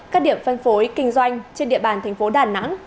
các điểm phân phối kinh doanh trên địa bàn thành phố đà nẵng